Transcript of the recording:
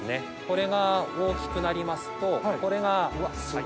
これが大きくなりますとこれが。